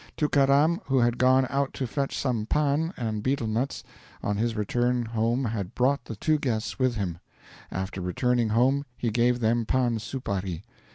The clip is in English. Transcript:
Tookaram, who had gone out to fetch some 'pan' and betelnuts, on his return home had brought the two guests with him. After returning home he gave them 'pan supari'.